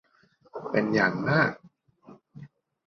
เป็นอย่างมาก